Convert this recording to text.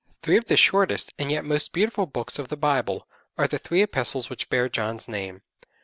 Three of the shortest and yet most beautiful Books of the Bible are the three epistles which bear John's name.